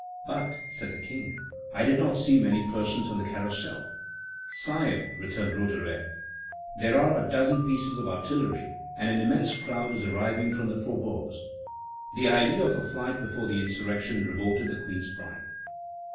"But," said the King, "I did not see many persons on the Carrousel." "Sire," returned Roederer, "there are a dozen pieces of artillery, and an immense crowd is arriving from the faubourgs." The idea of a flight before the insurrection revolted the Queen's pride.